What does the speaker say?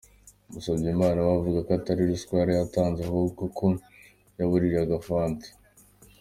Musabyimana we avuga ko atari ruswa yari atanze ahubwo ko yabaguriraga Fanta.